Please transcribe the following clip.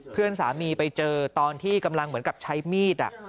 เพื่อนสามีไปเจอตอนที่กำลังเหมือนกับใช้มีด